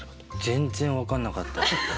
全然分かんなかった。